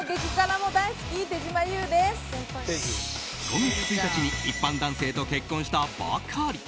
今月１日に一般男性と結婚したばかり。